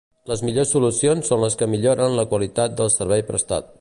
Les millors solucions són les que milloren la qualitat del servei prestat.